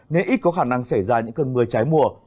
nên ít có khả năng xảy ra những cơn mưa trái mùa